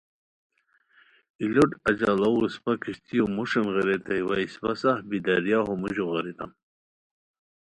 ای لوٹ اجاڑوغ اسپہ کشتیو مُوݰین غیریتائے وا اسپہ سف بی دریاہو موژو غیریتام